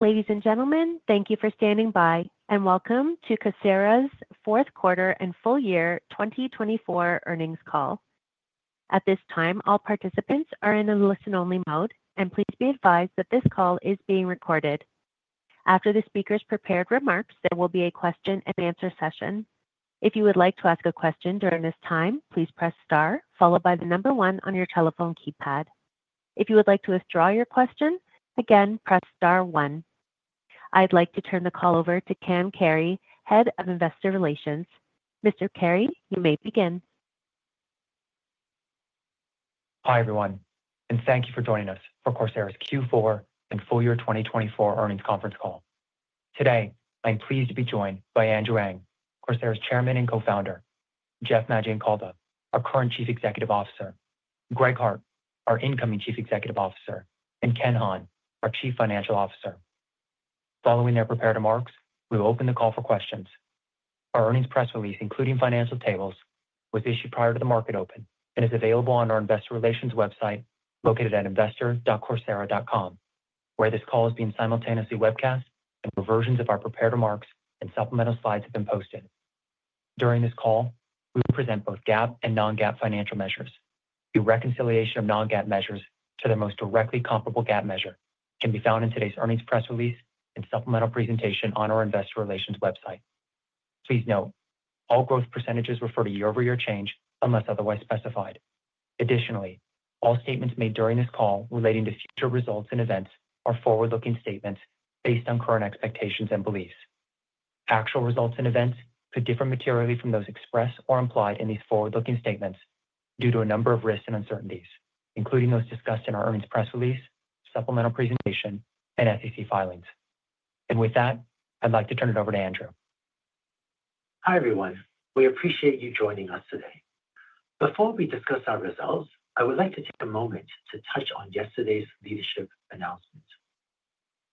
Ladies and gentlemen, thank you for standing by, and welcome to Coursera's Fourth Quarter and Full Year 2024 Earnings Call. At this time, all participants are in a listen-only mode, and please be advised that this call is being recorded. After the speakers' prepared remarks, there will be a question-and-answer session. If you would like to ask a question during this time, please press star, followed by the number one on your telephone keypad. If you would like to withdraw your question, again, press star one. I'd like to turn the call over to Cam Carey, Head of Investor Relations. Mr. Carey, you may begin. Hi, everyone, and thank you for joining us for Coursera's Q4 and full year 2024 earnings conference call. Today, I'm pleased to be joined by Andrew Ng, Coursera's Chairman and Co-founder, Jeff Maggioncalda, our current Chief Executive Officer, Greg Hart, our incoming Chief Executive Officer, and Ken Hahn, our Chief Financial Officer. Following their prepared remarks, we will open the call for questions. Our earnings press release, including financial tables, was issued prior to the market open and is available on our investor relations website located at investor.coursera.com, where this call is being simultaneously webcast and where versions of our prepared remarks and supplemental slides have been posted. During this call, we will present both GAAP and non-GAAP financial measures. The reconciliation of non-GAAP measures to their most directly comparable GAAP measure can be found in today's earnings press release and supplemental presentation on our investor relations website. Please note, all growth percentages refer to year-over-year change unless otherwise specified. Additionally, all statements made during this call relating to future results and events are forward-looking statements based on current expectations and beliefs. Actual results and events could differ materially from those expressed or implied in these forward-looking statements due to a number of risks and uncertainties, including those discussed in our earnings press release, supplemental presentation, and SEC filings. And with that, I'd like to turn it over to Andrew. Hi, everyone. We appreciate you joining us today. Before we discuss our results, I would like to take a moment to touch on yesterday's leadership announcement.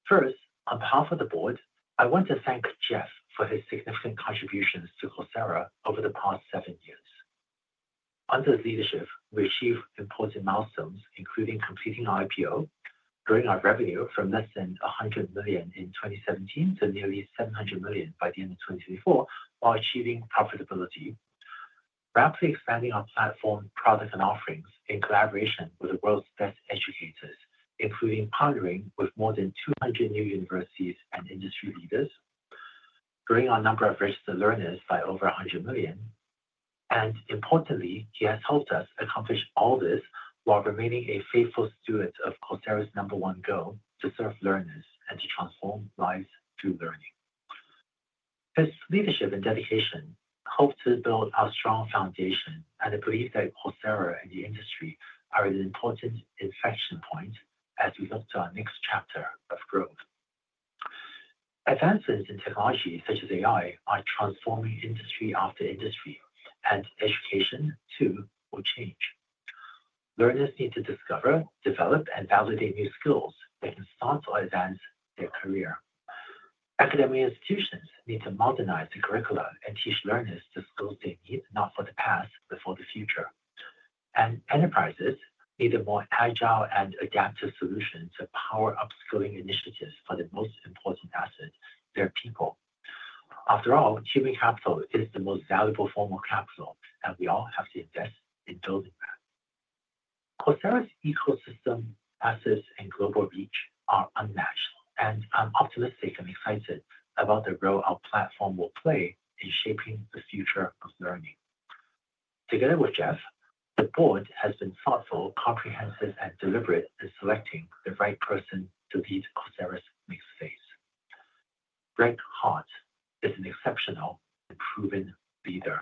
First, on behalf of the board, I want to thank Jeff for his significant contributions to Coursera over the past seven years. Under his leadership, we achieved important milestones, including completing our IPO, growing our revenue from less than $100 million in 2017 to nearly $700 million by the end of 2024, while achieving profitability, rapidly expanding our platform, products, and offerings in collaboration with the world's best educators, including partnering with more than 200 new universities and industry leaders, growing our number of registered learners by over 100 million, and importantly, he has helped us accomplish all this while remaining a faithful steward of Coursera's number one goal: to serve learners and to transform lives through learning. His leadership and dedication help to build a strong foundation, and I believe that Coursera and the industry are an important inflection point as we look to our next chapter of growth. Advances in technology such as AI are transforming industry after industry, and education, too, will change. Learners need to discover, develop, and validate new skills that can start to advance their career. Academic institutions need to modernize the curricula and teach learners the skills they need, not for the past, but for the future, and enterprises need a more agile and adaptive solution to power upskilling initiatives for the most important asset: their people. After all, human capital is the most valuable form of capital, and we all have to invest in building that. Coursera's ecosystem, assets, and global reach are unmatched, and I'm optimistic and excited about the role our platform will play in shaping the future of learning. Together with Jeff, the board has been thoughtful, comprehensive, and deliberate in selecting the right person to lead Coursera's next phase. Greg Hart is an exceptional and proven leader.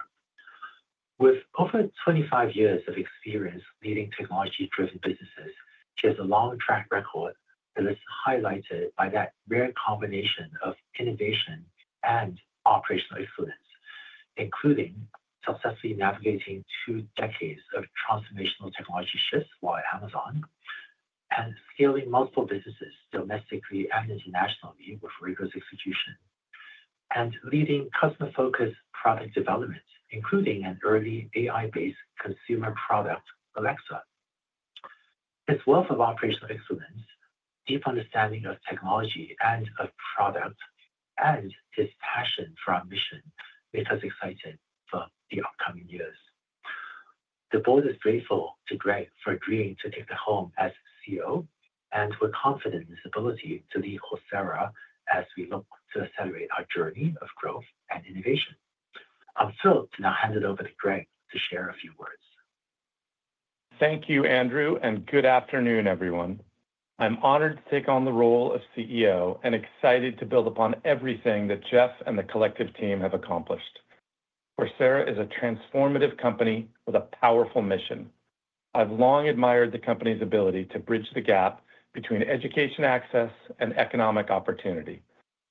With over 25 years of experience leading technology-driven businesses, he has a long track record that is highlighted by that rare combination of innovation and operational excellence, including successfully navigating two decades of transformational technology shifts while at Amazon and scaling multiple businesses domestically and internationally with rigorous execution, and leading customer-focused product development, including an early AI-based consumer product, Alexa. His wealth of operational excellence, deep understanding of technology and of product, and his passion for our mission make us excited for the upcoming years. The board is grateful to Greg for agreeing to take the helm as CEO, and we're confident in his ability to lead Coursera as we look to accelerate our journey of growth and innovation. I'm thrilled to now hand it over to Greg to share a few words. Thank you, Andrew, and good afternoon, everyone. I'm honored to take on the role of CEO and excited to build upon everything that Jeff and the collective team have accomplished. Coursera is a transformative company with a powerful mission. I've long admired the company's ability to bridge the gap between education access and economic opportunity,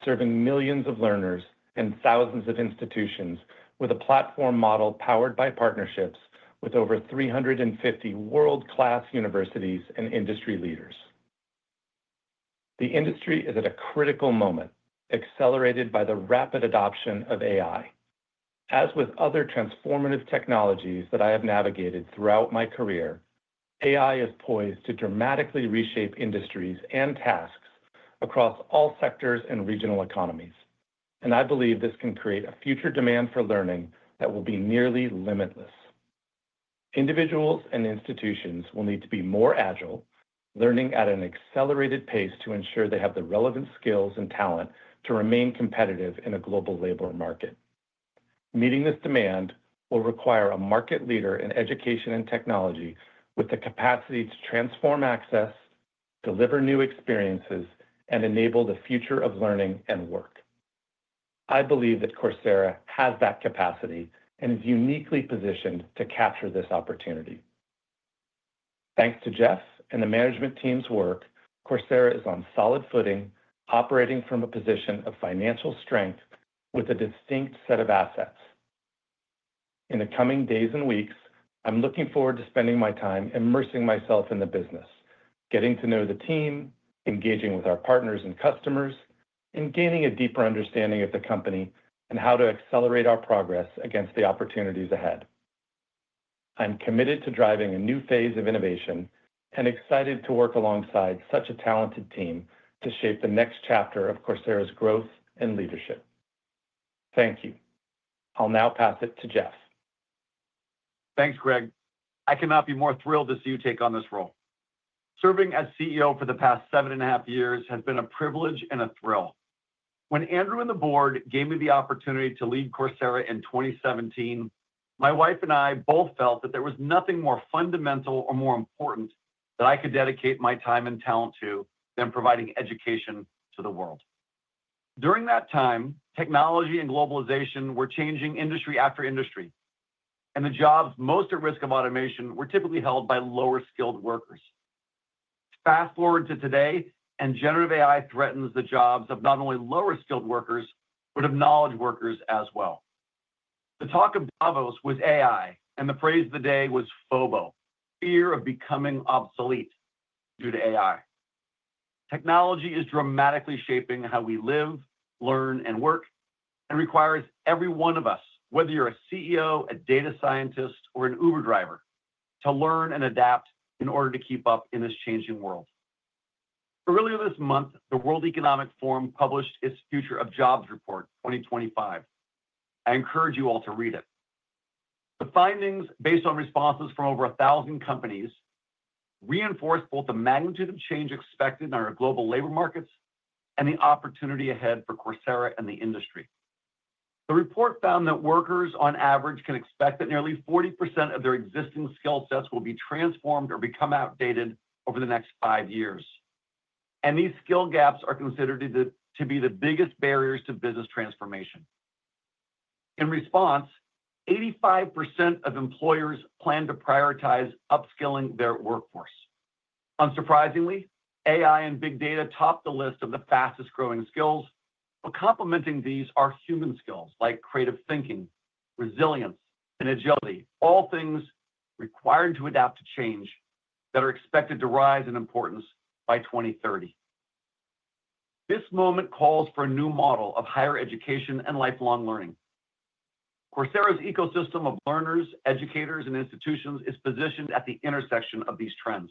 serving millions of learners and thousands of institutions with a platform model powered by partnerships with over 350 world-class universities and industry leaders. The industry is at a critical moment, accelerated by the rapid adoption of AI. As with other transformative technologies that I have navigated throughout my career, AI is poised to dramatically reshape industries and tasks across all sectors and regional economies, and I believe this can create a future demand for learning that will be nearly limitless. Individuals and institutions will need to be more agile, learning at an accelerated pace to ensure they have the relevant skills and talent to remain competitive in a global labor market. Meeting this demand will require a market leader in education and technology with the capacity to transform access, deliver new experiences, and enable the future of learning and work. I believe that Coursera has that capacity and is uniquely positioned to capture this opportunity. Thanks to Jeff and the management team's work, Coursera is on solid footing, operating from a position of financial strength with a distinct set of assets. In the coming days and weeks, I'm looking forward to spending my time immersing myself in the business, getting to know the team, engaging with our partners and customers, and gaining a deeper understanding of the company and how to accelerate our progress against the opportunities ahead. I'm committed to driving a new phase of innovation and excited to work alongside such a talented team to shape the next chapter of Coursera's growth and leadership. Thank you. I'll now pass it to Jeff. Thanks, Greg. I cannot be more thrilled to see you take on this role. Serving as CEO for the past seven and a half years has been a privilege and a thrill. When Andrew and the board gave me the opportunity to lead Coursera in 2017, my wife and I both felt that there was nothing more fundamental or more important that I could dedicate my time and talent to than providing education to the world. During that time, technology and globalization were changing industry after industry, and the jobs most at risk of automation were typically held by lower-skilled workers. Fast forward to today, and generative AI threatens the jobs of not only lower-skilled workers but of knowledge workers as well. The talk of Davos was AI, and the phrase of the day was FOBO, fear of becoming obsolete due to AI. Technology is dramatically shaping how we live, learn, and work, and requires every one of us, whether you're a CEO, a data scientist, or an Uber driver, to learn and adapt in order to keep up in this changing world. Earlier this month, the World Economic Forum published its Future of Jobs Report 2025. I encourage you all to read it. The findings, based on responses from over 1,000 companies, reinforce both the magnitude of change expected in our global labor markets and the opportunity ahead for Coursera and the industry. The report found that workers, on average, can expect that nearly 40% of their existing skill sets will be transformed or become outdated over the next five years, and these skill gaps are considered to be the biggest barriers to business transformation. In response, 85% of employers plan to prioritize upskilling their workforce. Unsurprisingly, AI and big data top the list of the fastest-growing skills, but complementing these are human skills like creative thinking, resilience, and agility, all things required to adapt to change that are expected to rise in importance by 2030. This moment calls for a new model of higher education and lifelong learning. Coursera's ecosystem of learners, educators, and institutions is positioned at the intersection of these trends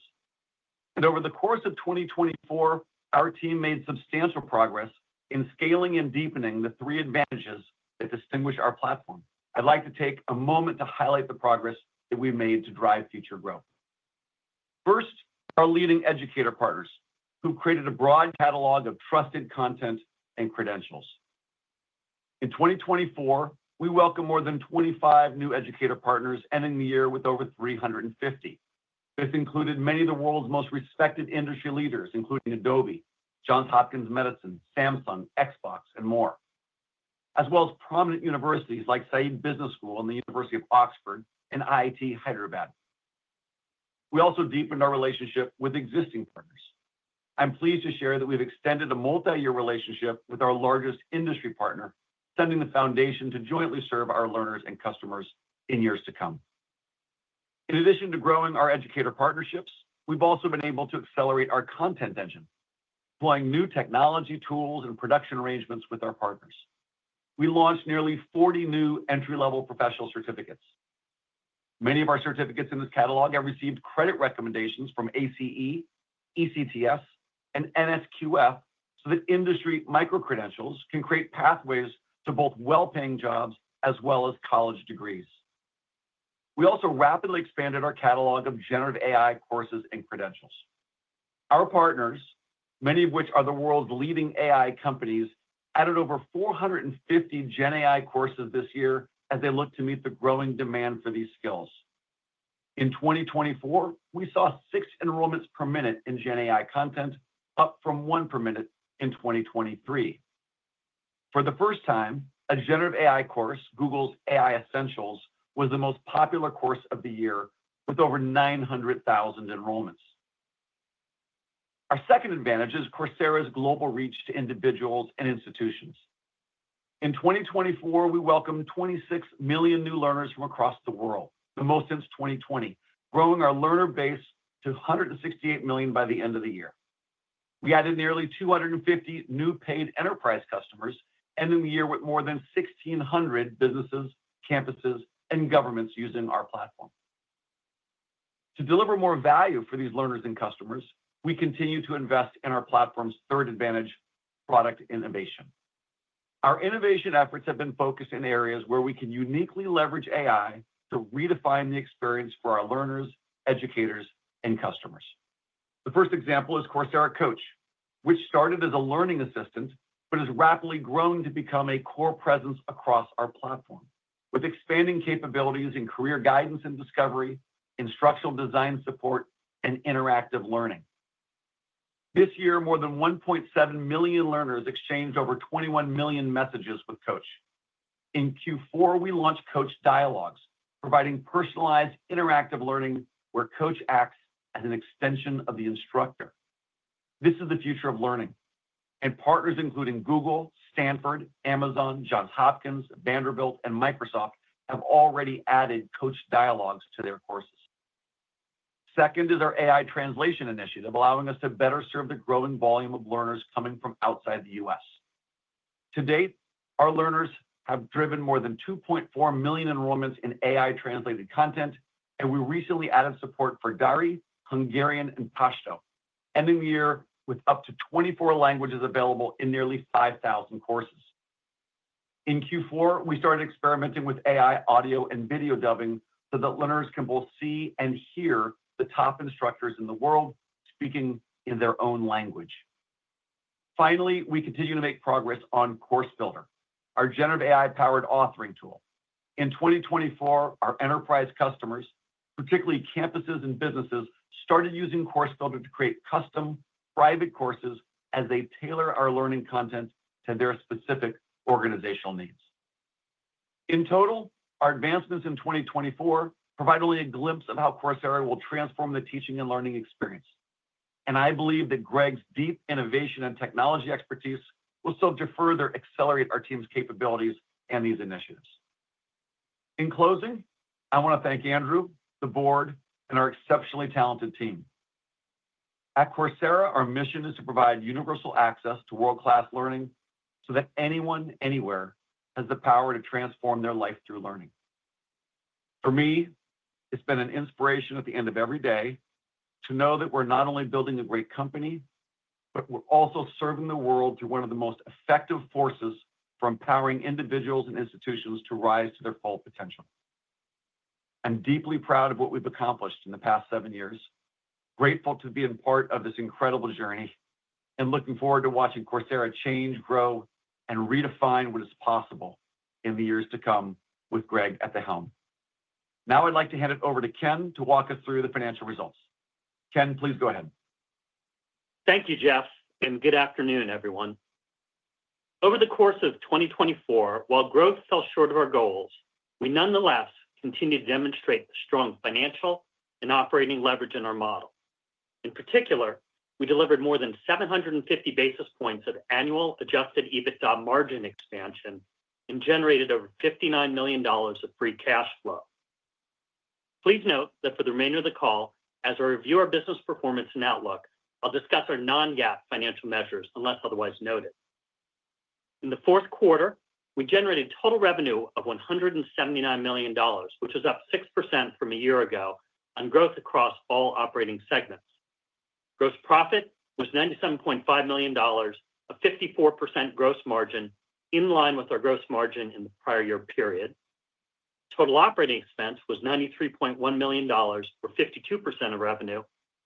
and over the course of 2024, our team made substantial progress in scaling and deepening the three advantages that distinguish our platform. I'd like to take a moment to highlight the progress that we've made to drive future growth. First, our leading educator partners, who've created a broad catalog of trusted content and credentials. In 2024, we welcomed more than 25 new educator partners, ending the year with over 350. This included many of the world's most respected industry leaders, including Adobe, Johns Hopkins Medicine, Samsung, Xbox, and more, as well as prominent universities like Saïd Business School and the University of Oxford and IIT Hyderabad. We also deepened our relationship with existing partners. I'm pleased to share that we've extended a multi-year relationship with our largest industry partner, setting the foundation to jointly serve our learners and customers in years to come. In addition to growing our educator partnerships, we've also been able to accelerate our content engine, deploying new technology tools and production arrangements with our partners. We launched nearly 40 new entry-level professional certificates. Many of our certificates in this catalog have received credit recommendations from ACE, ECTS, and NSQF so that industry micro-credentials can create pathways to both well-paying jobs as well as college degrees. We also rapidly expanded our catalog of generative AI courses and credentials. Our partners, many of which are the world's leading AI companies, added over 450 Gen AI courses this year as they look to meet the growing demand for these skills. In 2024, we saw six enrollments per minute in Gen AI content, up from one per minute in 2023. For the first time, a generative AI course, Google's AI Essentials, was the most popular course of the year with over 900,000 enrollments. Our second advantage is Coursera's global reach to individuals and institutions. In 2024, we welcomed 26 million new learners from across the world, the most since 2020, growing our learner base to 168 million by the end of the year. We added nearly 250 new paid enterprise customers, ending the year with more than 1,600 businesses, campuses, and governments using our platform. To deliver more value for these learners and customers, we continue to invest in our platform's third advantage: product innovation. Our innovation efforts have been focused in areas where we can uniquely leverage AI to redefine the experience for our learners, educators, and customers. The first example is Coursera Coach, which started as a learning assistant but has rapidly grown to become a core presence across our platform, with expanding capabilities in career guidance and discovery, instructional design support, and interactive learning. This year, more than 1.7 million learners exchanged over 21 million messages with Coach. In Q4, we launched Coach Dialogues, providing personalized interactive learning where Coach acts as an extension of the instructor. This is the future of learning, and partners including Google, Stanford, Amazon, Johns Hopkins, Vanderbilt, and Microsoft have already added Coach Dialogues to their courses. Second is our AI translation initiative, allowing us to better serve the growing volume of learners coming from outside the U.S. To date, our learners have driven more than 2.4 million enrollments in AI-translated content, and we recently added support for Dari, Hungarian, and Pashto, ending the year with up to 24 languages available in nearly 5,000 courses. In Q4, we started experimenting with AI audio and video dubbing so that learners can both see and hear the top instructors in the world speaking in their own language. Finally, we continue to make progress on Course Builder, our generative AI-powered authoring tool. In 2024, our enterprise customers, particularly campuses and businesses, started using Course Builder to create custom private courses as they tailor our learning content to their specific organizational needs. In total, our advancements in 2024 provide only a glimpse of how Coursera will transform the teaching and learning experience, and I believe that Greg's deep innovation and technology expertise will still defer or accelerate our team's capabilities and these initiatives. In closing, I want to thank Andrew, the board, and our exceptionally talented team. At Coursera, our mission is to provide universal access to world-class learning so that anyone, anywhere, has the power to transform their life through learning. For me, it's been an inspiration at the end of every day to know that we're not only building a great company, but we're also serving the world through one of the most effective forces for empowering individuals and institutions to rise to their full potential. I'm deeply proud of what we've accomplished in the past seven years, grateful to be a part of this incredible journey, and looking forward to watching Coursera change, grow, and redefine what is possible in the years to come with Greg at the helm. Now, I'd like to hand it over to Ken to walk us through the financial results. Ken, please go ahead. Thank you, Jeff, and good afternoon, everyone. Over the course of 2024, while growth fell short of our goals, we nonetheless continued to demonstrate strong financial and operating leverage in our model. In particular, we delivered more than 750 basis points of annual adjusted EBITDA margin expansion and generated over $59 million of free cash flow. Please note that for the remainder of the call, as I review our business performance and outlook, I'll discuss our non-GAAP financial measures unless otherwise noted. In the fourth quarter, we generated total revenue of $179 million, which is up 6% from a year ago on growth across all operating segments. Gross profit was $97.5 million, a 54% gross margin in line with our gross margin in the prior year period. Total operating expense was $93.1 million, or 52% of revenue,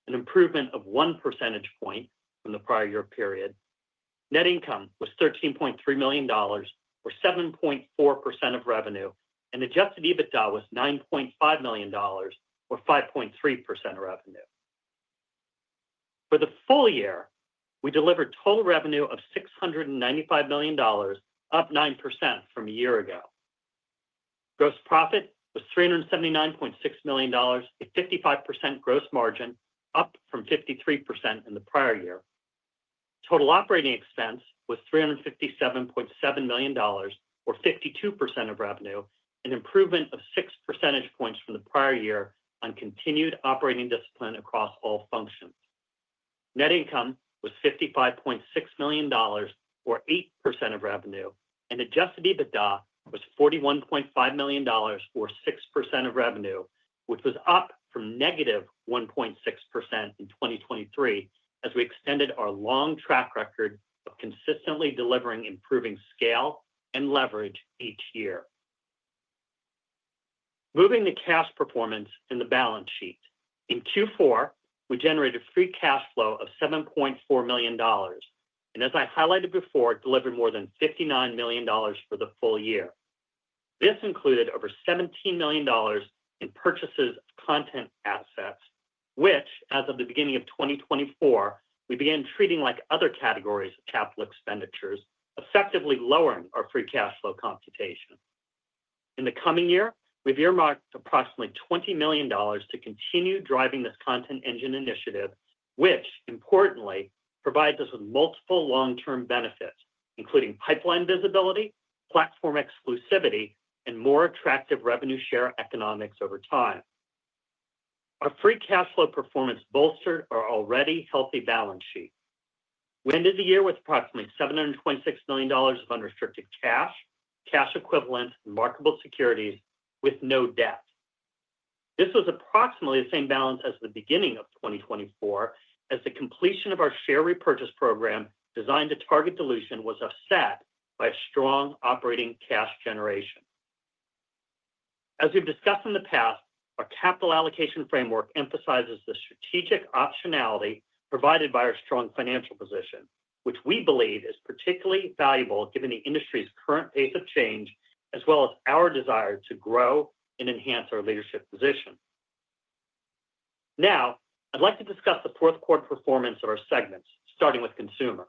an improvement of one percentage point from the prior year period. Net income was $13.3 million, or 7.4% of revenue, and adjusted EBITDA was $9.5 million, or 5.3% of revenue. For the full year, we delivered total revenue of $695 million, up 9% from a year ago. Gross profit was $379.6 million, a 55% gross margin, up from 53% in the prior year. Total operating expense was $357.7 million, or 52% of revenue, an improvement of 6 percentage points from the prior year on continued operating discipline across all functions. Net income was $55.6 million, or 8% of revenue, and Adjusted EBITDA was $41.5 million, or 6% of revenue, which was up from negative 1.6% in 2023 as we extended our long track record of consistently delivering improving scale and leverage each year. Moving to cash performance in the balance sheet, in Q4, we generated free cash flow of $7.4 million, and as I highlighted before, delivered more than $59 million for the full year. This included over $17 million in purchases of content assets, which, as of the beginning of 2024, we began treating like other categories of capital expenditures, effectively lowering our free cash flow computation. In the coming year, we've earmarked approximately $20 million to continue driving this content engine initiative, which, importantly, provides us with multiple long-term benefits, including pipeline visibility, platform exclusivity, and more attractive revenue share economics over time. Our free cash flow performance bolstered our already healthy balance sheet. We ended the year with approximately $726 million of unrestricted cash, cash equivalents, and marketable securities with no debt. This was approximately the same balance as the beginning of 2024, as the completion of our share repurchase program designed to target dilution was offset by a strong operating cash generation. As we've discussed in the past, our capital allocation framework emphasizes the strategic optionality provided by our strong financial position, which we believe is particularly valuable given the industry's current pace of change, as well as our desire to grow and enhance our leadership position. Now, I'd like to discuss the fourth quarter performance of our segments, starting with consumer.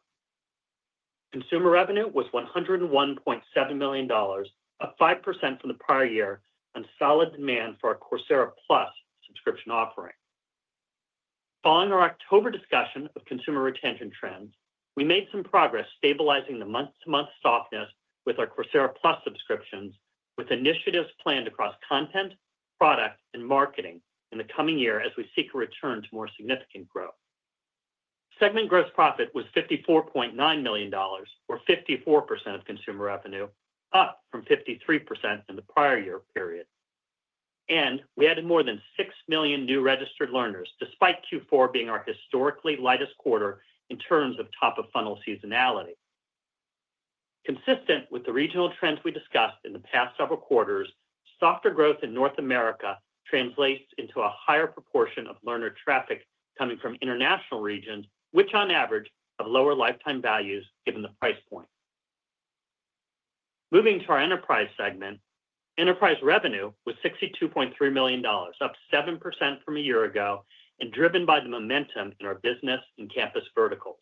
Consumer revenue was $101.7 million, up 5% from the prior year on solid demand for our Coursera Plus subscription offering. Following our October discussion of consumer retention trends, we made some progress stabilizing the month-to-month softness with our Coursera Plus subscriptions, with initiatives planned across content, product, and marketing in the coming year as we seek a return to more significant growth. Segment gross profit was $54.9 million, or 54% of consumer revenue, up from 53% in the prior year period. And we added more than six million new registered learners, despite Q4 being our historically lightest quarter in terms of top-of-funnel seasonality. Consistent with the regional trends we discussed in the past several quarters, softer growth in North America translates into a higher proportion of learner traffic coming from international regions, which, on average, have lower lifetime values given the price point. Moving to our enterprise segment, enterprise revenue was $62.3 million, up 7% from a year ago, and driven by the momentum in our business and campus verticals.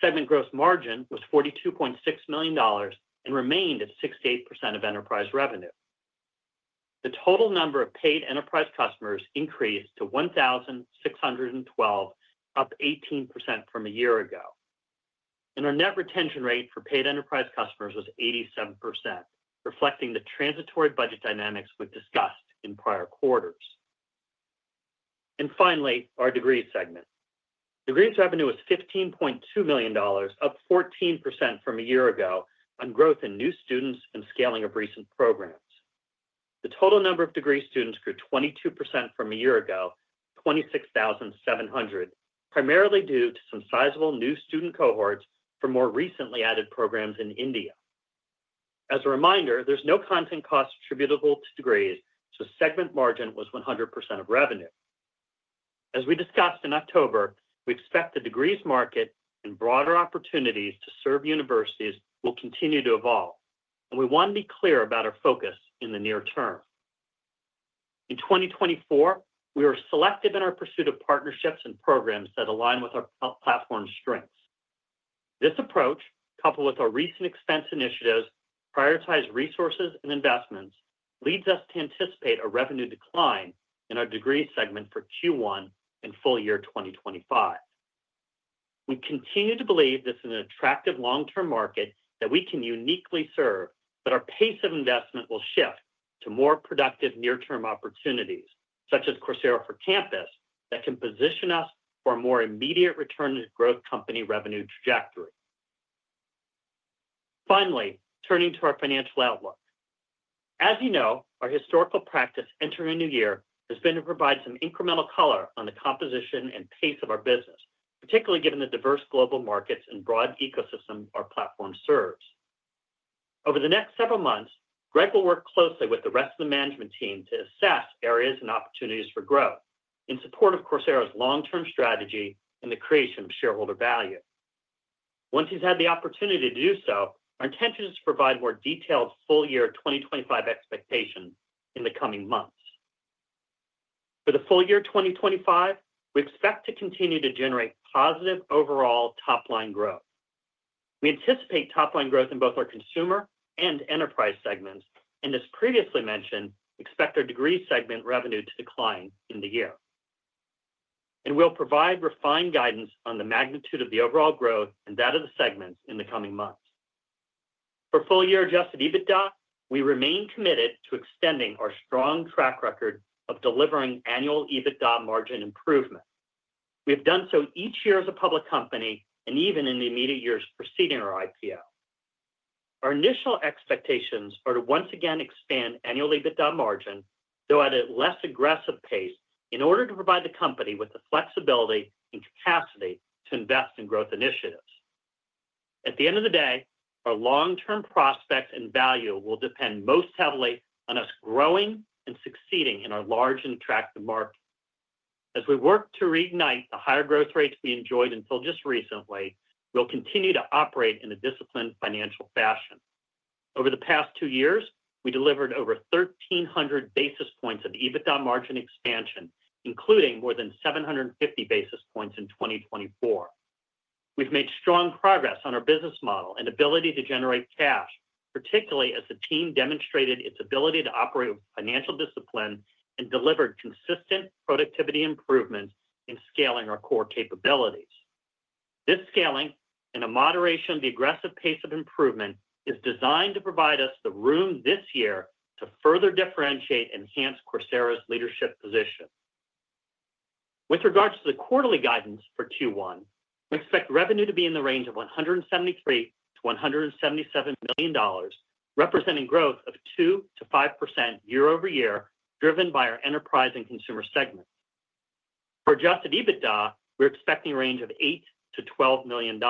Segment gross margin was $42.6 million and remained at 68% of enterprise revenue. The total number of paid enterprise customers increased to 1,612, up 18% from a year ago. Our net retention rate for paid enterprise customers was 87%, reflecting the transitory budget dynamics we've discussed in prior quarters. Finally, our degrees segment. Degrees revenue was $15.2 million, up 14% from a year ago on growth in new students and scaling of recent programs. The total number of degree students grew 22% from a year ago, 26,700, primarily due to some sizable new student cohorts from more recently added programs in India. As a reminder, there's no content cost attributable to degrees, so segment margin was 100% of revenue. As we discussed in October, we expect the degrees market and broader opportunities to serve universities will continue to evolve, and we want to be clear about our focus in the near term. In 2024, we were selective in our pursuit of partnerships and programs that align with our platform strengths. This approach, coupled with our recent expense initiatives, prioritized resources and investments, leads us to anticipate a revenue decline in our degrees segment for Q1 and full year 2025. We continue to believe this is an attractive long-term market that we can uniquely serve, but our pace of investment will shift to more productive near-term opportunities, such as Coursera for Campus, that can position us for a more immediate return-to-growth company revenue trajectory. Finally, turning to our financial outlook. As you know, our historical practice entering a new year has been to provide some incremental color on the composition and pace of our business, particularly given the diverse global markets and broad ecosystem our platform serves. Over the next several months, Greg will work closely with the rest of the management team to assess areas and opportunities for growth in support of Coursera's long-term strategy and the creation of shareholder value. Once he's had the opportunity to do so, our intention is to provide more detailed full-year 2025 expectations in the coming months. For the full year 2025, we expect to continue to generate positive overall top-line growth. We anticipate top-line growth in both our consumer and enterprise segments, and, as previously mentioned, expect our degrees segment revenue to decline in the year. We'll provide refined guidance on the magnitude of the overall growth and that of the segments in the coming months. For full-year adjusted EBITDA, we remain committed to extending our strong track record of delivering annual EBITDA margin improvement. We have done so each year as a public company and even in the immediate years preceding our IPO. Our initial expectations are to once again expand annual EBITDA margin, though at a less aggressive pace, in order to provide the company with the flexibility and capacity to invest in growth initiatives. At the end of the day, our long-term prospects and value will depend most heavily on us growing and succeeding in our large and attractive market. As we work to reignite the higher growth rates we enjoyed until just recently, we'll continue to operate in a disciplined financial fashion. Over the past two years, we delivered over 1,300 basis points of EBITDA margin expansion, including more than 750 basis points in 2024. We've made strong progress on our business model and ability to generate cash, particularly as the team demonstrated its ability to operate with financial discipline and delivered consistent productivity improvements in scaling our core capabilities. This scaling, in a moderation of the aggressive pace of improvement, is designed to provide us the room this year to further differentiate and enhance Coursera's leadership position. With regards to the quarterly guidance for Q1, we expect revenue to be in the range of $173-$177 million, representing growth of 2%-5% year over year, driven by our enterprise and consumer segments. For adjusted EBITDA, we're expecting a range of $8-$12 million.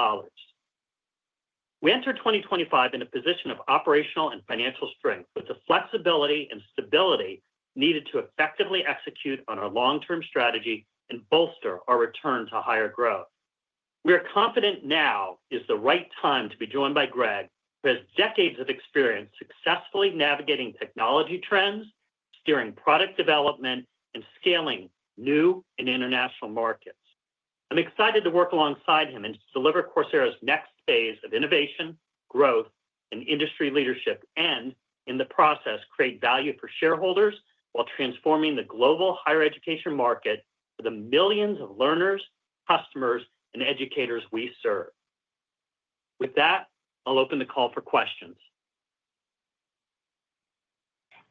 We enter 2025 in a position of operational and financial strength with the flexibility and stability needed to effectively execute on our long-term strategy and bolster our return to higher growth. We are confident now is the right time to be joined by Greg, who has decades of experience successfully navigating technology trends, steering product development, and scaling new and international markets. I'm excited to work alongside him and to deliver Coursera's next phase of innovation, growth, and industry leadership, and in the process, create value for shareholders while transforming the global higher education market for the millions of learners, customers, and educators we serve. With that, I'll open the call for questions.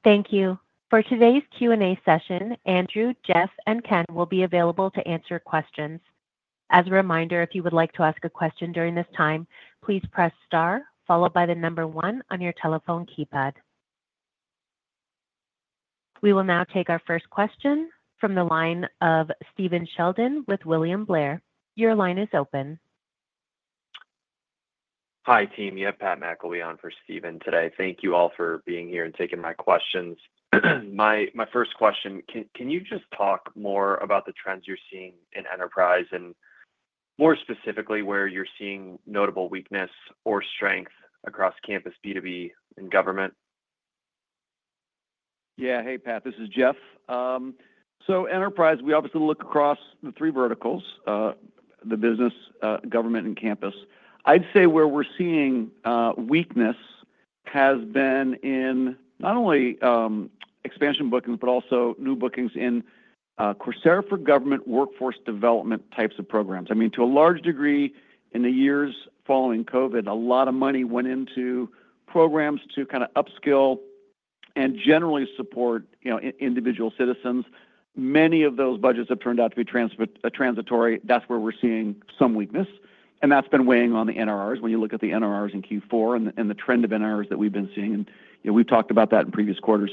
Thank you. For today's Q&A session, Andrew, Jeff, and Ken will be available to answer questions. As a reminder, if you would like to ask a question during this time, please press star, followed by the number one on your telephone keypad. We will now take our first question from the line of Steven Sheldon with William Blair. Your line is open. Hi, team. You have Patrick McIlwee, Steven, today. Thank you all for being here and taking my questions. My first question, can you just talk more about the trends you're seeing in enterprise and more specifically where you're seeing notable weakness or strength across campus, B2B, and government? Yeah. Hey, Pat. This is Jeff. So enterprise, we obviously look across the three verticals, the business, government, and campus. I'd say where we're seeing weakness has been in not only expansion bookings, but also new bookings in Coursera for Government workforce development types of programs. I mean, to a large degree, in the years following COVID, a lot of money went into programs to kind of upskill and generally support individual citizens. Many of those budgets have turned out to be transitory. That's where we're seeing some weakness. And that's been weighing on the NRRs when you look at the NRRs in Q4 and the trend of NRRs that we've been seeing. And we've talked about that in previous quarters.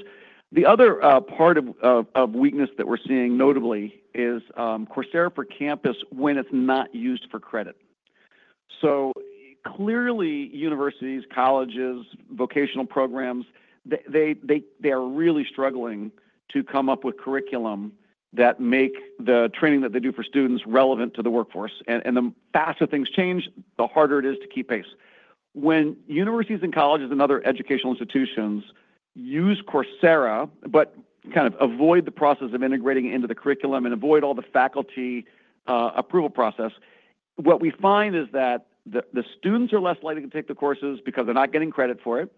The other part of weakness that we're seeing notably is Coursera for Campus when it's not used for credit. Clearly, universities, colleges, vocational programs, they are really struggling to come up with curriculum that makes the training that they do for students relevant to the workforce. And the faster things change, the harder it is to keep pace. When universities and colleges and other educational institutions use Coursera, but kind of avoid the process of integrating into the curriculum and avoid all the faculty approval process, what we find is that the students are less likely to take the courses because they're not getting credit for it.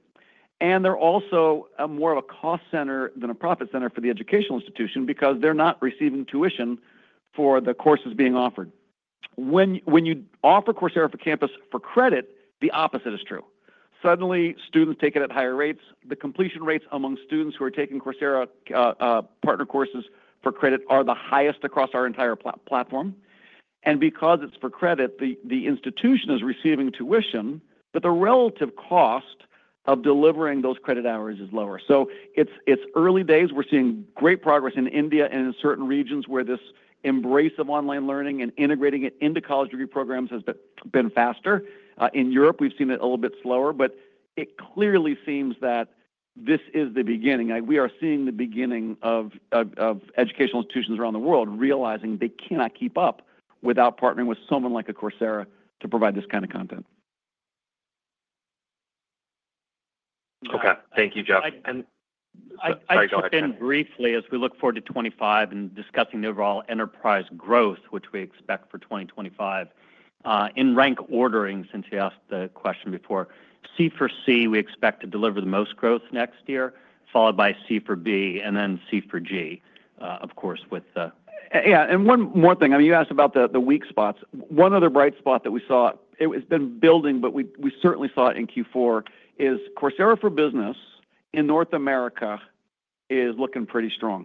And they're also more of a cost center than a profit center for the educational institution because they're not receiving tuition for the courses being offered. When you offer Coursera for Campus for credit, the opposite is true. Suddenly, students take it at higher rates. The completion rates among students who are taking Coursera partner courses for credit are the highest across our entire platform. And because it's for credit, the institution is receiving tuition, but the relative cost of delivering those credit hours is lower. So it's early days. We're seeing great progress in India and in certain regions where this embrace of online learning and integrating it into college degree programs has been faster. In Europe, we've seen it a little bit slower, but it clearly seems that this is the beginning. We are seeing the beginning of educational institutions around the world realizing they cannot keep up without partnering with someone like a Coursera to provide this kind of content. Okay. Thank you, Jeff. And I jump in briefly as we look forward to 2025 and discussing the overall enterprise growth, which we expect for 2025. In rank ordering, since you asked the question before, C for C, we expect to deliver the most growth next year, followed by C for B, and then C for G, of course, with the. Yeah. And one more thing. I mean, you asked about the weak spots. One other bright spot that we saw, it has been building, but we certainly saw it in Q4, is Coursera for Business in North America is looking pretty strong,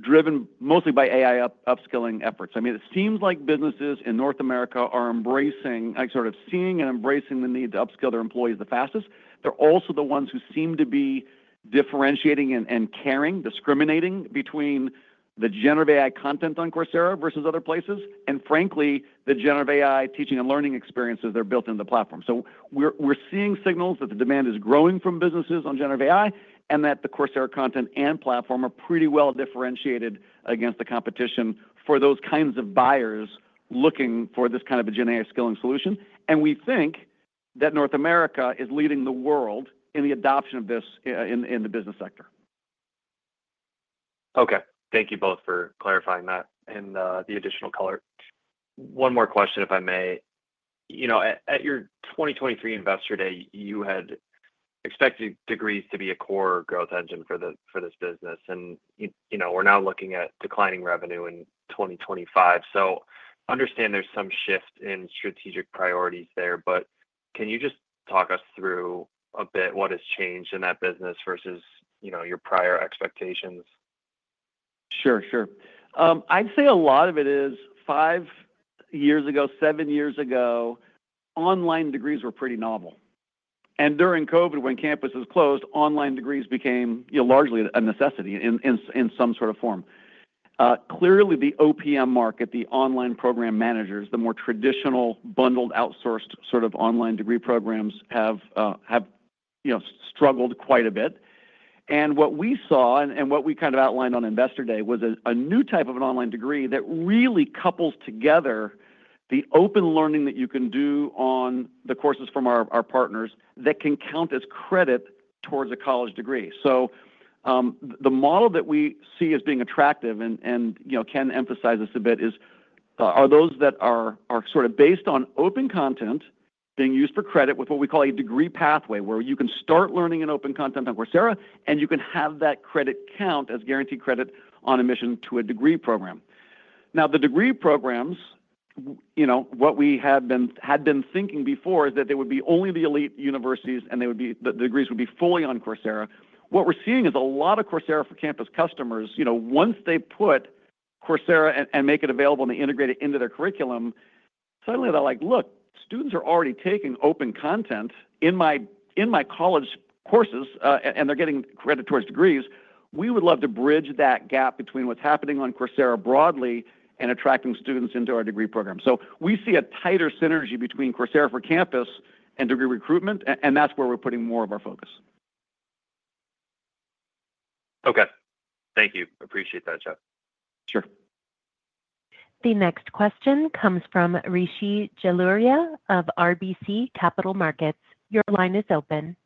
driven mostly by AI upskilling efforts. I mean, it seems like businesses in North America are embracing, sort of seeing and embracing the need to upskill their employees the fastest. They're also the ones who seem to be differentiating and caring, discriminating between the generative AI content on Coursera versus other places, and frankly, the generative AI teaching and learning experiences that are built into the platform. We're seeing signals that the demand is growing from businesses on generative AI and that the Coursera content and platform are pretty well differentiated against the competition for those kinds of buyers looking for this kind of a gen AI skilling solution. We think that North America is leading the world in the adoption of this in the business sector. Okay. Thank you both for clarifying that and the additional color. One more question, if I may. At your 2023 Investor Day, you had expected degrees to be a core growth engine for this business. And we're now looking at declining revenue in 2025. So I understand there's some shift in strategic priorities there, but can you just talk us through a bit what has changed in that business versus your prior expectations? Sure, sure. I'd say a lot of it is five years ago, seven years ago, online degrees were pretty novel, and during COVID, when campuses closed, online degrees became largely a necessity in some sort of form. Clearly, the OPM market, the online program managers, the more traditional bundled outsourced sort of online degree programs have struggled quite a bit, and what we saw and what we kind of outlined on Investor Day was a new type of an online degree that really couples together the open learning that you can do on the courses from our partners that can count as credit towards a college degree. So the model that we see as being attractive, and Ken emphasized this a bit, is those that are sort of based on open content being used for credit with what we call a degree pathway, where you can start learning in open content on Coursera, and you can have that credit count as guaranteed credit on admission to a degree program. Now, the degree programs, what we had been thinking before is that they would be only the elite universities, and the degrees would be fully on Coursera. What we're seeing is a lot of Coursera for Campus customers, once they put Coursera and make it available and they integrate it into their curriculum, suddenly they're like, "Look, students are already taking open content in my college courses, and they're getting credit towards degrees. We would love to bridge that gap between what's happening on Coursera broadly and attracting students into our degree program. So we see a tighter synergy between Coursera for Campus and degree recruitment, and that's where we're putting more of our focus. Okay. Thank you. Appreciate that, Jeff. Sure. The next question comes from Rishi Jaluria of RBC Capital Markets. Your line is open.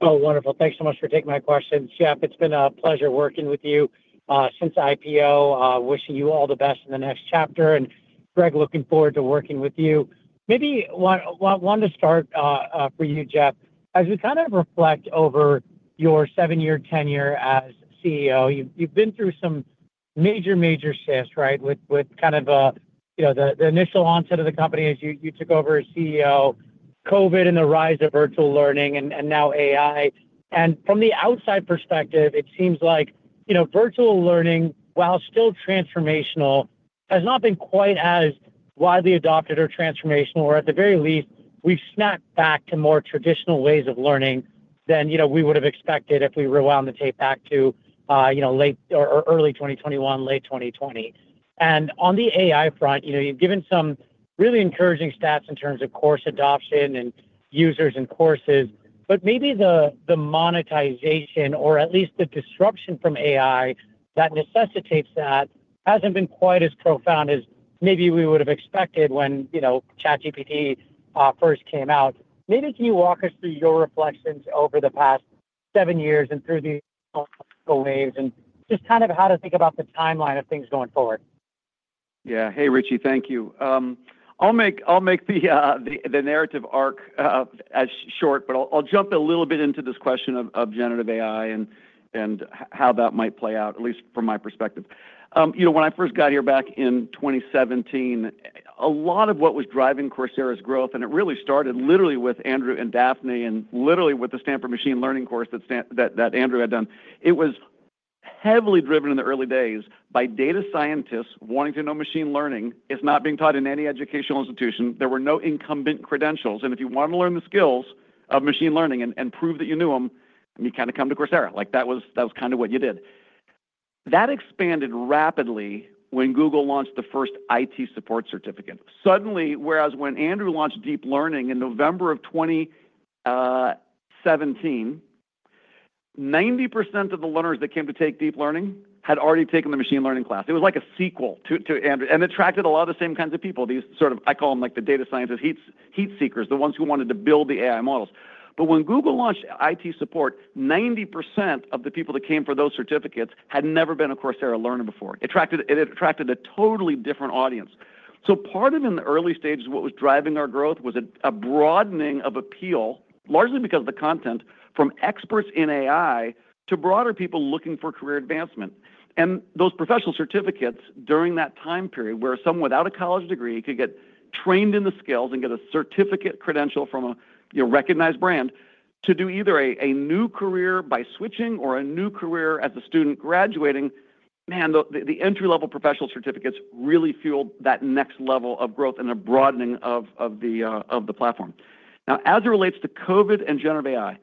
Oh, wonderful. Thanks so much for taking my questions, Jeff. It's been a pleasure working with you since IPO. Wishing you all the best in the next chapter. And Greg, looking forward to working with you. Maybe wanted to start for you, Jeff, as we kind of reflect over your seven-year tenure as CEO, you've been through some major, major shifts, right, with kind of the initial onset of the company as you took over as CEO, COVID, and the rise of virtual learning, and now AI. And from the outside perspective, it seems like virtual learning, while still transformational, has not been quite as widely adopted or transformational, or at the very least, we've snapped back to more traditional ways of learning than we would have expected if we rewound the tape back to late or early 2021, late 2020. On the AI front, you've given some really encouraging stats in terms of course adoption and users and courses, but maybe the monetization, or at least the disruption from AI that necessitates that, hasn't been quite as profound as maybe we would have expected when ChatGPT first came out. Maybe can you walk us through your reflections over the past seven years and through the waves and just kind of how to think about the timeline of things going forward? Yeah. Hey, Rishi, thank you. I'll make the narrative arc as short, but I'll jump a little bit into this question of generative AI and how that might play out, at least from my perspective. When I first got here back in 2017, a lot of what was driving Coursera's growth, and it really started literally with Andrew and Daphne and literally with the Stanford machine learning course that Andrew had done, it was heavily driven in the early days by data scientists wanting to know machine learning. It's not being taught in any educational institution. There were no incumbent credentials. And if you wanted to learn the skills of machine learning and prove that you knew them, you kind of come to Coursera. That was kind of what you did. That expanded rapidly when Google launched the first IT support certificate. Suddenly, whereas when Andrew launched deep learning in November of 2017, 90% of the learners that came to take deep learning had already taken the machine learning class. It was like a sequel to Andrew. And it attracted a lot of the same kinds of people, these sort of, I call them like the data scientists, heat seekers, the ones who wanted to build the AI models. But when Google launched IT support, 90% of the people that came for those certificates had never been a Coursera learner before. It attracted a totally different audience. So part of in the early stages, what was driving our growth was a broadening of appeal, largely because of the content, from experts in AI to broader people looking for career advancement. Those professional certificates during that time period where someone without a college degree could get trained in the skills and get a certificate credential from a recognized brand to do either a new career by switching or a new career as a student graduating, man, the entry-level professional certificates really fueled that next level of growth and a broadening of the platform. Now, as it relates to COVID and Generative AI,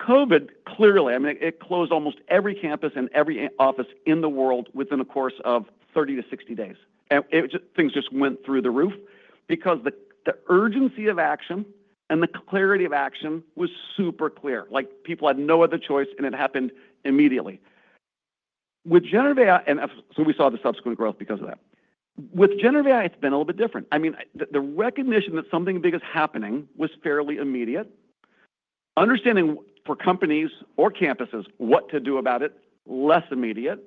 COVID clearly, I mean, it closed almost every campus and every office in the world within a course of 30-60 days. Things just went through the roof because the urgency of action and the clarity of action was super clear. People had no other choice, and it happened immediately. With Generative AI, and so we saw the subsequent growth because of that. With Generative AI, it's been a little bit different. I mean, the recognition that something big is happening was fairly immediate. Understanding for companies or campuses what to do about it, less immediate.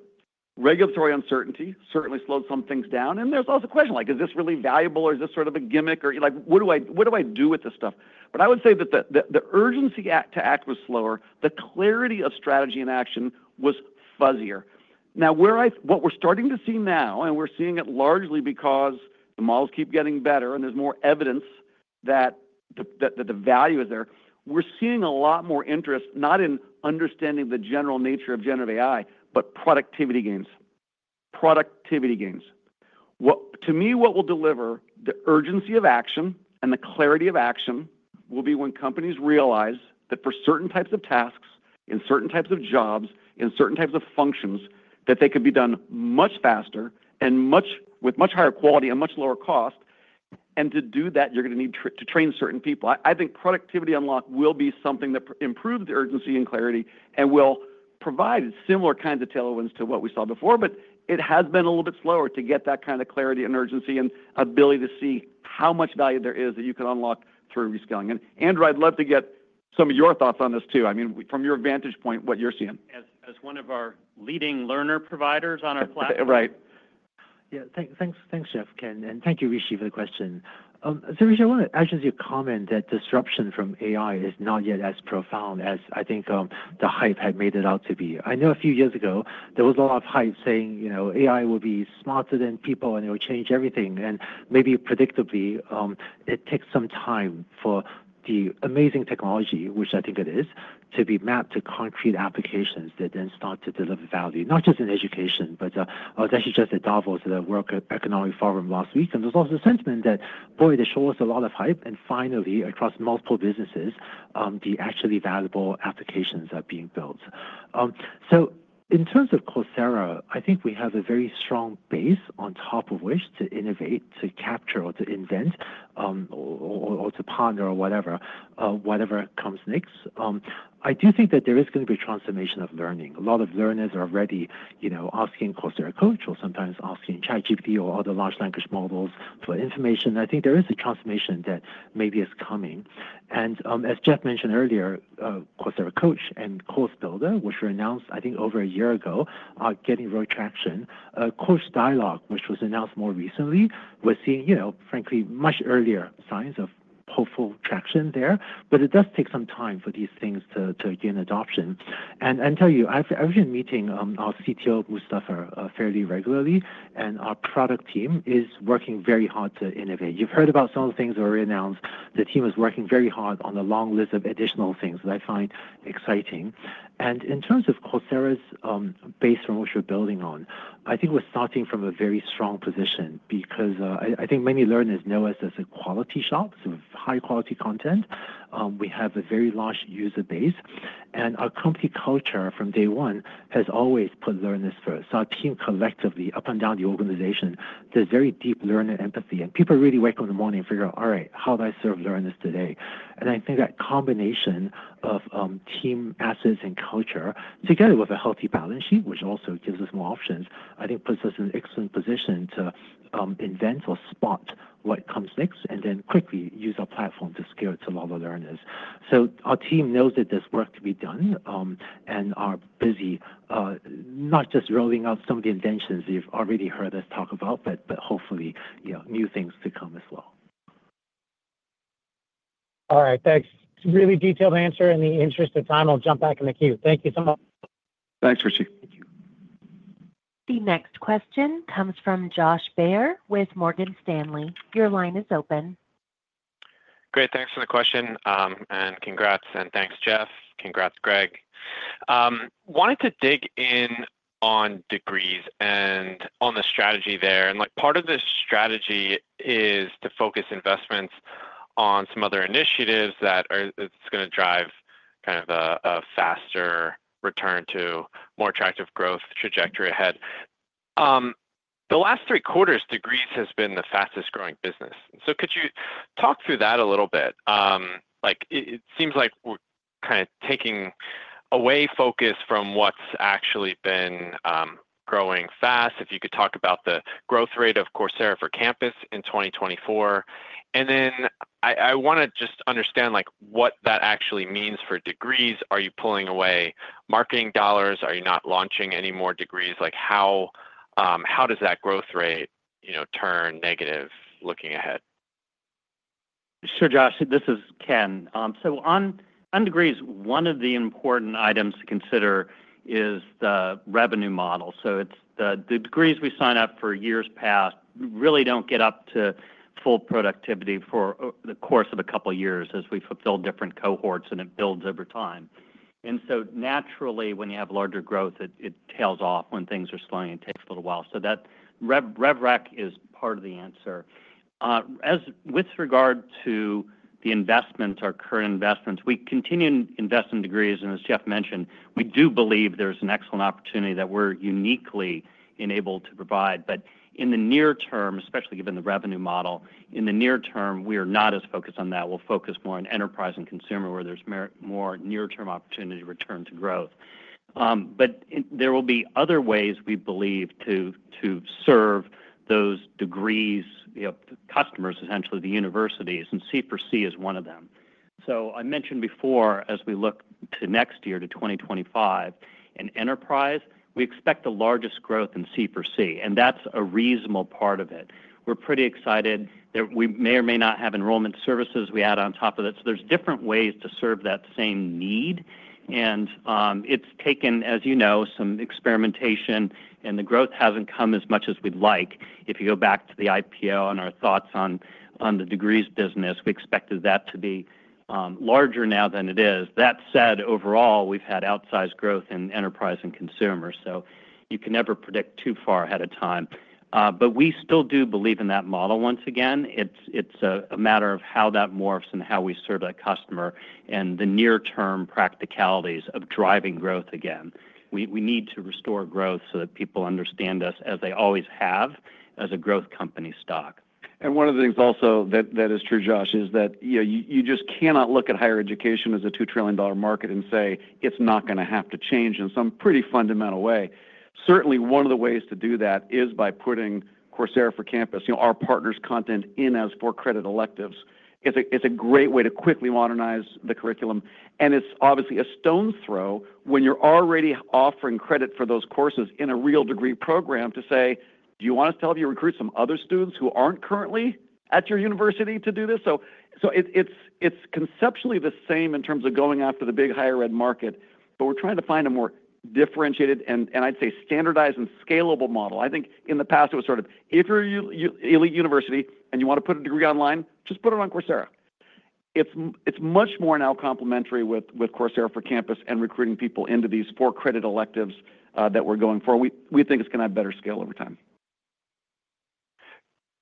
Regulatory uncertainty certainly slowed some things down. And there's also a question like, is this really valuable, or is this sort of a gimmick, or what do I do with this stuff? But I would say that the urgency to act was slower. The clarity of strategy and action was fuzzier. Now, what we're starting to see now, and we're seeing it largely because the models keep getting better and there's more evidence that the value is there, we're seeing a lot more interest, not in understanding the general nature of generative AI, but productivity gains. Productivity gains. To me, what will deliver the urgency of action and the clarity of action will be when companies realize that for certain types of tasks, in certain types of jobs, in certain types of functions, that they could be done much faster and with much higher quality and much lower cost. And to do that, you're going to need to train certain people. I think productivity unlock will be something that improves the urgency and clarity and will provide similar kinds of tailwinds to what we saw before, but it has been a little bit slower to get that kind of clarity and urgency and ability to see how much value there is that you can unlock through reskilling. And Andrew, I'd love to get some of your thoughts on this too, I mean, from your vantage point, what you're seeing? As one of our leading learner providers on our platform. Right. Yeah. Thanks, Jeff, Ken, and thank you, Rishi, for the question. So, Rishi, I want to actually comment that disruption from AI is not yet as profound as I think the hype had made it out to be. I know a few years ago, there was a lot of hype saying AI will be smarter than people and it will change everything. And maybe predictably, it takes some time for the amazing technology, which I think it is, to be mapped to concrete applications that then start to deliver value, not just in education, but I was actually just at davos at a World Economic Forum last week. And there's also a sentiment that, boy, they show us a lot of hype. And finally, across multiple businesses, the actually valuable applications are being built. In terms of Coursera, I think we have a very strong base on top of which to innovate, to capture or to invent or to ponder or whatever comes next. I do think that there is going to be a transformation of learning. A lot of learners are already asking Coursera Coach or sometimes asking ChatGPT or other large language models for information. I think there is a transformation that maybe is coming. And as Jeff mentioned earlier, Coursera Coach and Course Builder, which were announced, I think, over a year ago, are getting real traction. Coach Dialogues, which was announced more recently, we're seeing, frankly, much earlier signs of hopeful traction there. But it does take some time for these things to gain adoption. And I tell you, I've been meeting our CTO, Mustafa, fairly regularly, and our product team is working very hard to innovate. You've heard about some of the things that were announced. The team is working very hard on a long list of additional things that I find exciting, and in terms of Coursera's base from which we're building on, I think we're starting from a very strong position because I think many learners know us as a quality shop, so high-quality content. We have a very large user base, and our company culture from day one has always put learners first, so our team collectively, up and down the organization, there's very deep learner empathy. And people really wake up in the morning and figure out, "All right, how do I serve learners today?" And I think that combination of team assets and culture, together with a healthy balance sheet, which also gives us more options, I think puts us in an excellent position to invent or spot what comes next and then quickly use our platform to scale to a lot of learners. So our team knows that there's work to be done and are busy not just rolling out some of the inventions you've already heard us talk about, but hopefully new things to come as well. All right. Thanks. Really detailed answer. In the interest of time, I'll jump back in the queue. Thank you so much. Thanks, Rishi. Thank you. The next question comes from Josh Baer with Morgan Stanley. Your line is open. Great. Thanks for the question. And congrats. And thanks, Jeff. Congrats, Greg. Wanted to dig in on degrees and on the strategy there. And part of the strategy is to focus investments on some other initiatives that it's going to drive kind of a faster return to more attractive growth trajectory ahead. The last three quarters, degrees has been the fastest growing business. So could you talk through that a little bit? It seems like we're kind of taking away focus from what's actually been growing fast. If you could talk about the growth rate of Coursera for Campus in 2024. And then I want to just understand what that actually means for degrees. Are you pulling away marketing dollars? Are you not launching any more degrees? How does that growth rate turn negative looking ahead? Sure, Josh. This is Ken. So, on degrees, one of the important items to consider is the revenue model. So the degrees we sign up for in years past really don't get up to full productivity for the course of a couple of years as we fulfill different cohorts, and it builds over time. And so naturally, when you have larger growth, it tails off when things are slowing and takes a little while. So that drag is part of the answer. With regard to the investments, our current investments, we continue to invest in degrees. And as Jeff mentioned, we do believe there's an excellent opportunity that we're uniquely enabled to provide. But in the near term, especially given the revenue model, in the near term, we are not as focused on that. We'll focus more on enterprise and consumer where there's more near-term opportunity to return to growth. But there will be other ways, we believe, to serve those degrees customers, essentially, the universities, and C for C is one of them. So I mentioned before, as we look to next year to 2025, in enterprise, we expect the largest growth in C for C. And that's a reasonable part of it. We're pretty excited that we may or may not have enrollment services we add on top of it. So there's different ways to serve that same need. And it's taken, as you know, some experimentation, and the growth hasn't come as much as we'd like. If you go back to the IPO and our thoughts on the degrees business, we expected that to be larger now than it is. That said, overall, we've had outsized growth in enterprise and consumer. So you can never predict too far ahead of time. But we still do believe in that model once again. It's a matter of how that morphs and how we serve that customer and the near-term practicalities of driving growth again. We need to restore growth so that people understand us, as they always have, as a growth company stock. And one of the things also that is true, Josh, is that you just cannot look at higher education as a $2 trillion market and say, "It's not going to have to change in some pretty fundamental way." Certainly, one of the ways to do that is by putting Coursera for Campus, our partner's content in as for-credit electives. It's a great way to quickly modernize the curriculum. It's obviously a stone's throw when you're already offering credit for those courses in a real degree program to say, "Do you want us to help you recruit some other students who aren't currently at your university to do this?" So it's conceptually the same in terms of going after the big higher ed market, but we're trying to find a more differentiated and, I'd say, standardized and scalable model. I think in the past, it was sort of, "If you're an elite university and you want to put a degree online, just put it on Coursera." It's much more now complementary with Coursera for Campus and recruiting people into these for-credit electives that we're going for. We think it's going to have better scale over time.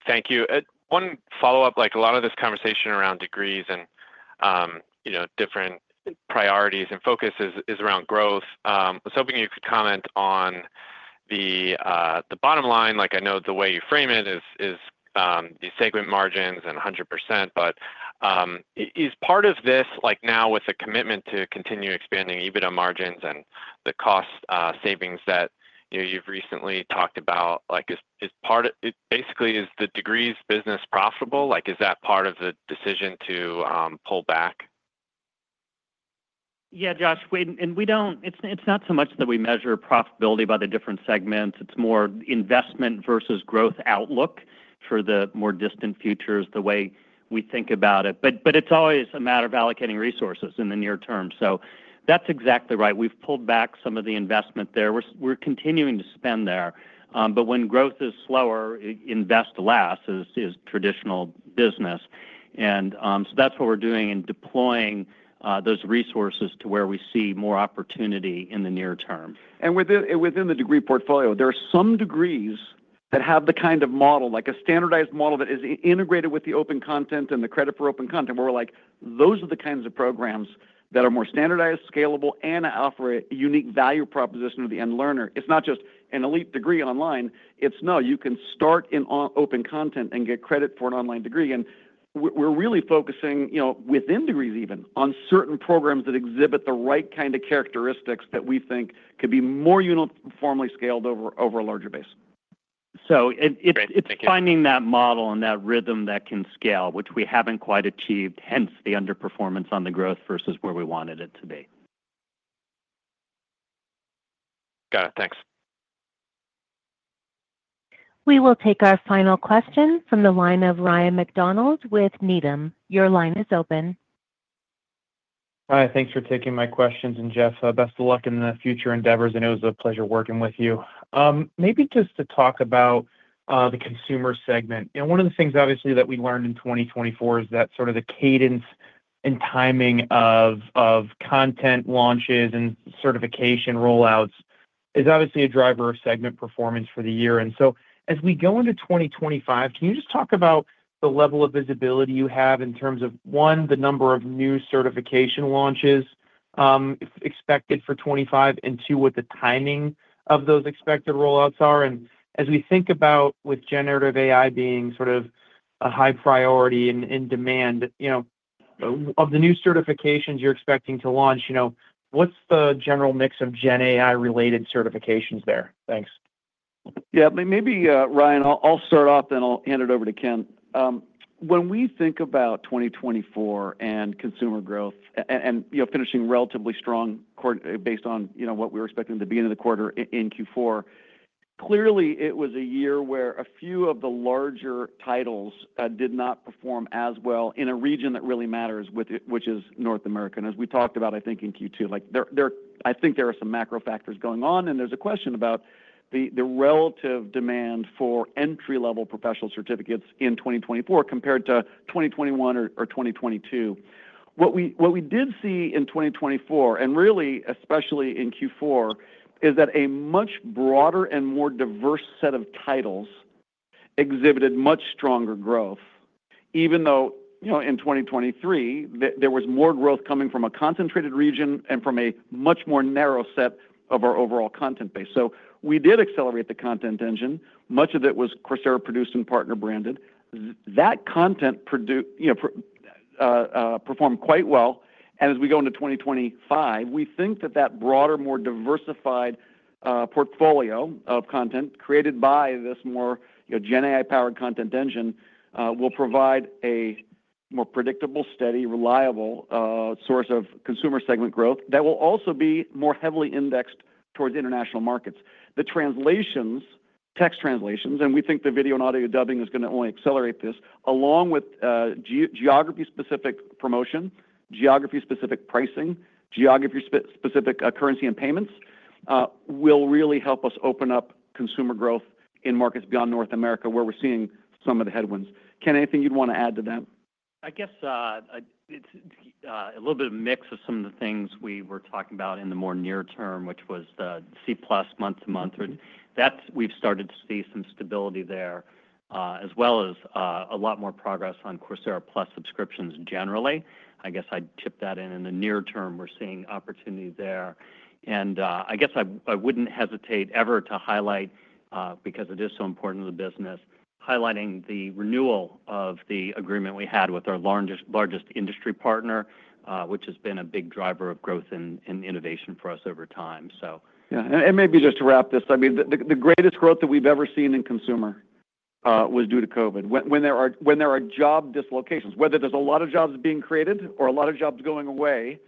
Thank you. One follow-up, like a lot of this conversation around degrees and different priorities and focus is around growth. I was hoping you could comment on the bottom line. I know the way you frame it is the segment margins and 100%, but is part of this now with the commitment to continue expanding EBITDA margins and the cost savings that you've recently talked about, basically, is the degrees business profitable? Is that part of the decision to pull back? Yeah, Josh. And it's not so much that we measure profitability by the different segments. It's more investment versus growth outlook for the more distant futures, the way we think about it. But it's always a matter of allocating resources in the near term. So that's exactly right. We've pulled back some of the investment there. We're continuing to spend there. But when growth is slower, invest less in traditional business. And so that's what we're doing and deploying those resources to where we see more opportunity in the near term. Within the degree portfolio, there are some degrees that have the kind of model, like a standardized model that is integrated with the open content and the credit for open content, where we're like, "Those are the kinds of programs that are more standardized, scalable, and offer a unique value proposition to the end learner." It's not just an elite degree online. It's, "No, you can start in open content and get credit for an online degree." We're really focusing within degrees even on certain programs that exhibit the right kind of characteristics that we think could be more uniformly scaled over a larger base. So it's finding that model and that rhythm that can scale, which we haven't quite achieved, hence the underperformance on the growth versus where we wanted it to be. Got it. Thanks. We will take our final question from the line of Ryan MacDonald with Needham. Your line is open. Hi. Thanks for taking my questions. And Jeff, best of luck in the future endeavors. I know it was a pleasure working with you. Maybe just to talk about the consumer segment. And one of the things, obviously, that we learned in 2024 is that sort of the cadence and timing of content launches and certification rollouts is obviously a driver of segment performance for the year. And so as we go into 2025, can you just talk about the level of visibility you have in terms of, one, the number of new certification launches expected for 2025, and two, what the timing of those expected rollouts are? And as we think about with generative AI being sort of a high priority and demand of the new certifications you're expecting to launch, what's the general mix of Gen AI-related certifications there? Thanks. Yeah. Maybe, Ryan, I'll start off, then I'll hand it over to Ken. When we think about 2024 and consumer growth and finishing relatively strong based on what we were expecting at the beginning of the quarter in Q4, clearly, it was a year where a few of the larger titles did not perform as well in a region that really matters, which is North America. And as we talked about, I think in Q2, I think there are some macro factors going on. And there's a question about the relative demand for entry-level professional certificates in 2024 compared to 2021 or 2022. What we did see in 2024, and really, especially in Q4, is that a much broader and more diverse set of titles exhibited much stronger growth, even though in 2023, there was more growth coming from a concentrated region and from a much more narrow set of our overall content base. So we did accelerate the content engine. Much of it was Coursera-produced and partner-branded. That content performed quite well. And as we go into 2025, we think that that broader, more diversified portfolio of content created by this more Gen AI-powered content engine will provide a more predictable, steady, reliable source of consumer segment growth that will also be more heavily indexed towards international markets. The translations, text translations, and we think the video and audio dubbing is going to only accelerate this, along with geography-specific promotion, geography-specific pricing, geography-specific currency and payments, will really help us open up consumer growth in markets beyond North America where we're seeing some of the headwinds. Ken, anything you'd want to add to that? I guess it's a little bit of a mix of some of the things we were talking about in the more near term, which was the Coursera Plus month-to-month. We've started to see some stability there, as well as a lot more progress on Coursera Plus subscriptions generally. I guess I'd chime in. In the near term, we're seeing opportunity there. And I guess I wouldn't hesitate ever to highlight, because it is so important to the business, highlighting the renewal of the agreement we had with our largest industry partner, which has been a big driver of growth and innovation for us over time. Yeah. And maybe just to wrap this, I mean, the greatest growth that we've ever seen in consumer was due to COVID. When there are job dislocations, whether there's a lot of jobs being created or a lot of jobs going away,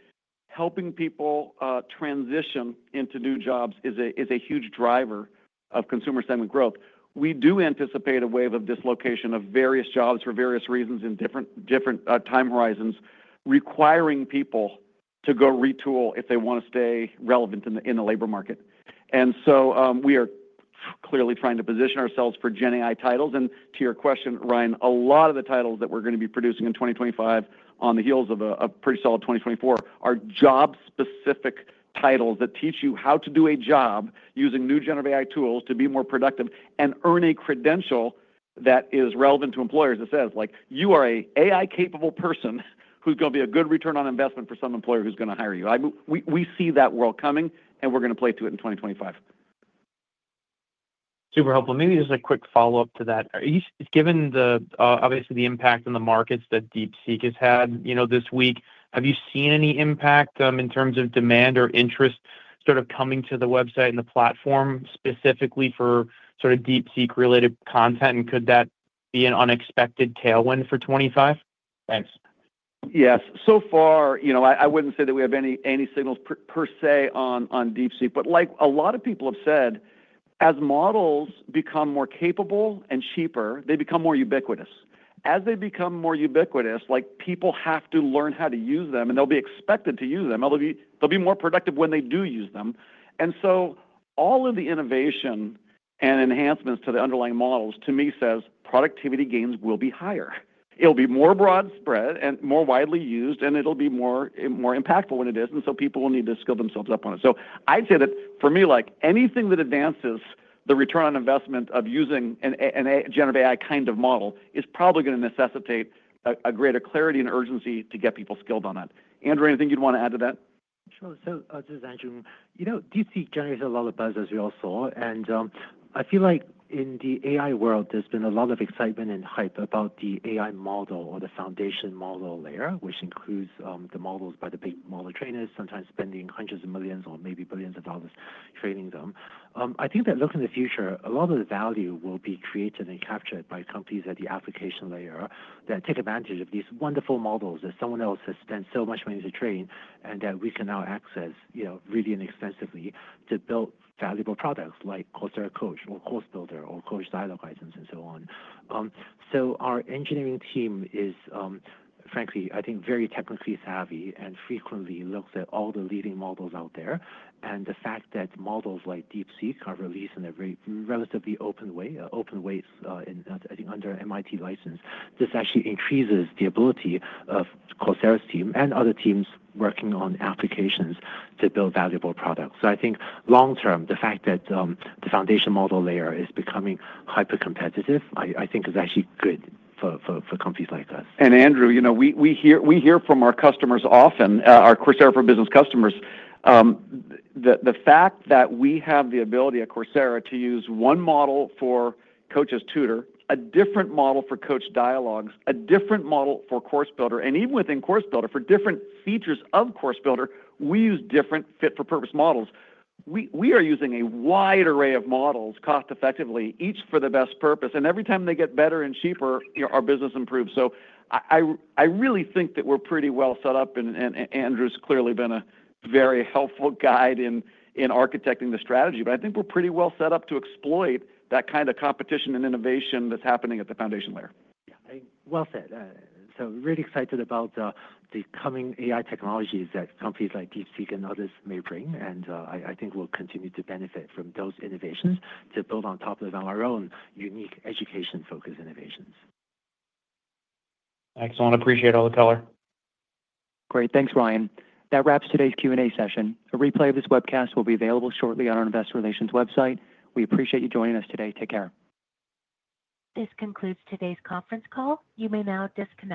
helping people transition into new jobs is a huge driver of consumer segment growth. We do anticipate a wave of dislocation of various jobs for various reasons in different time horizons, requiring people to go retool if they want to stay relevant in the labor market. And so we are clearly trying to position ourselves for Gen AI titles. To your question, Ryan, a lot of the titles that we're going to be producing in 2025 on the heels of a pretty solid 2024 are job-specific titles that teach you how to do a job using new generative AI tools to be more productive and earn a credential that is relevant to employers that says, "You are an AI-capable person who's going to be a good return on investment for some employer who's going to hire you." We see that world coming, and we're going to play to it in 2025. Super helpful. Maybe just a quick follow-up to that. Given obviously the impact on the markets that DeepSeek has had this week, have you seen any impact in terms of demand or interest sort of coming to the website and the platform specifically for sort of DeepSeek-related content? And could that be an unexpected tailwind for 2025? Thanks. Yes. So far, I wouldn't say that we have any signals per se on DeepSeek. But like a lot of people have said, as models become more capable and cheaper, they become more ubiquitous. As they become more ubiquitous, people have to learn how to use them, and they'll be expected to use them. They'll be more productive when they do use them. And so all of the innovation and enhancements to the underlying models, to me, says productivity gains will be higher. It'll be more broad spread and more widely used, and it'll be more impactful when it is. And so people will need to skill themselves up on it. So I'd say that for me, anything that advances the return on investment of using a generative AI kind of model is probably going to necessitate a greater clarity and urgency to get people skilled on that. Andrew, anything you'd want to add to that? Sure, so this is Andrew. DeepSeek generates a lot of buzz, as we all saw, and I feel like in the AI world, there's been a lot of excitement and hype about the AI model or the foundation model layer, which includes the models by the big model trainers, sometimes spending hundreds of millions or maybe billions of dollars training them. I think that looking in the future, a lot of the value will be created and captured by companies at the application layer that take advantage of these wonderful models that someone else has spent so much money to train and that we can now access really inexpensively to build valuable products like Coursera Coach or Course Builder or Coach Dialogues and so on, so our engineering team is, frankly, I think, very technically savvy and frequently looks at all the leading models out there. The fact that models like DeepSeek are released in a relatively open way, I think, under MIT license, this actually increases the ability of Coursera's team and other teams working on applications to build valuable products. So I think long-term, the fact that the foundation model layer is becoming hyper-competitive, I think, is actually good for companies like us. And Andrew, we hear from our customers often, our Coursera for Business customers, the fact that we have the ability at Coursera to use one model for Coach's tutor, a different model for Coach Dialogues, a different model for Course Builder, and even within Course Builder for different features of Course Builder, we use different fit-for-purpose models. We are using a wide array of models cost-effectively, each for the best purpose. And every time they get better and cheaper, our business improves. So I really think that we're pretty well set up, and Andrew's clearly been a very helpful guide in architecting the strategy. But I think we're pretty well set up to exploit that kind of competition and innovation that's happening at the foundation layer. Yeah. Well said, so really excited about the coming AI technologies that companies like DeepSeek and others may bring, and I think we'll continue to benefit from those innovations to build on top of our own unique education-focused innovations. Thanks. I appreciate all the color. Great. Thanks, Ryan. That wraps today's Q&A session. A replay of this webcast will be available shortly on our Investor Relations website. We appreciate you joining us today. Take care. This concludes today's conference call. You may now disconnect.